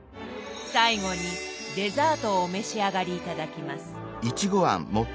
最後にデザートをお召し上がり頂きます。